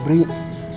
makasih pak sobri